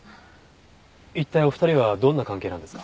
一体お二人はどんな関係なんですか？